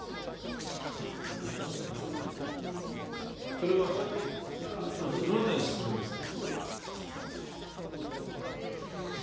それはどなたに質問ですか。